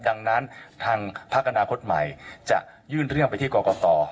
ดังนั้นทางพักอนาคตใหม่จะยื่นเรื่องไปที่กรกต